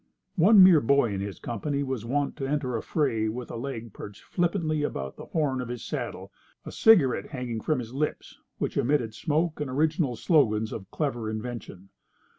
One mere boy in his company was wont to enter a fray with a leg perched flippantly about the horn of his saddle, a cigarette hanging from his lips, which emitted smoke and original slogans of clever invention.